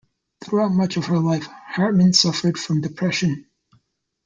Throughout much of her life, Hartman suffered from depression.